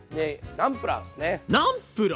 ナムプラー！